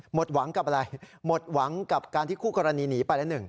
หมดหวังกับอะไรหมดหวังกับการที่คู่กรณีหนีไปละหนึ่ง